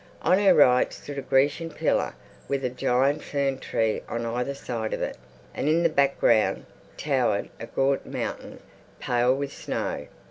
On her right stood a Grecian pillar with a giant fern tree on either side of it, and in the background towered a gaunt mountain, pale with snow.